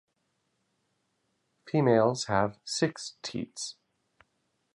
Females have six teats.